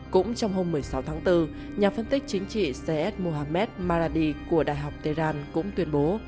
cũng trong hôm một mươi sáu tháng bốn nhà phân tích chính trị cs mohammed maradi của đại học teran cũng tuyên bố